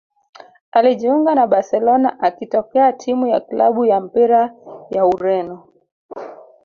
Alijiunga na Barcelona akitokea timu ya klabu ya mpira ya Ureno